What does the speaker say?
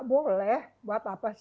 boleh buat apa sih